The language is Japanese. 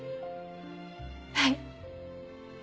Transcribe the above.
はい！